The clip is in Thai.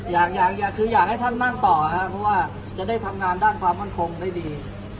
อยากอยากคืออยากให้ท่านนั่งต่อครับเพราะว่าจะได้ทำงานด้านความมั่นคงได้ดี